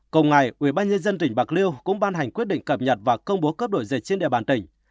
cùng ngày ubnd tỉnh bạc liêu cũng ban hành quyết định cập nhật và công bố cấp đổi dịch trên địa bàn tỉnh